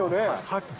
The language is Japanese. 発見！